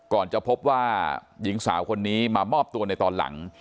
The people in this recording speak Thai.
จะพบว่าหญิงสาวคนนี้มามอบตัวในตอนหลัง